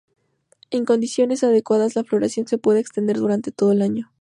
En condiciones adecuadas la floración se puede extender durante todo el año.